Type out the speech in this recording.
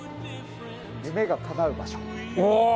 夢がかなう場所。